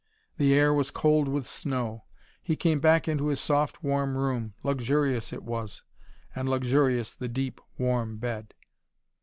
The air was cold with snow. He came back into his soft, warm room. Luxurious it was. And luxurious the deep, warm bed.